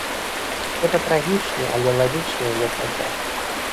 Гэта трагічны, але лагічны яе працяг.